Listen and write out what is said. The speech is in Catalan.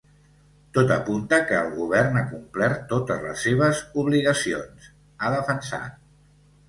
Tot apunta que el govern ha complert totes les seves obligacions, ha defensat.